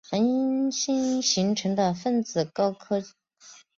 恒星形成是分子云的高密度区崩溃成为球形的电浆形成恒星的过程。